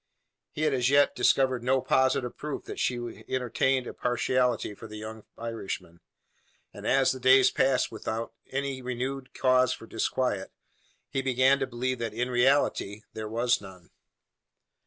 He had as yet discovered no positive proof that she entertained a partiality for the young Irishman; and as the days passed without any renewed cause for disquiet, he began to believe that in reality there was none.